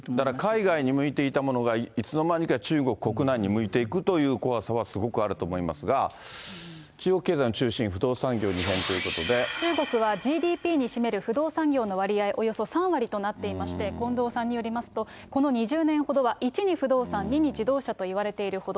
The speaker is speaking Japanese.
海外に向いていたものがいつのまにか中国国内に向いていくという怖さはすごくあると思いますが、中国経済の中心、中国はＧＤＰに占める不動産業の割合、およそ３割となっていまして、近藤さんによりますと、この２０年ほどは１に不動産、２に自動車といわれているほど。